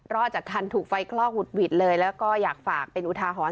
จากทันถูกไฟคลอกหุดหวิดเลยแล้วก็อยากฝากเป็นอุทาหรณ์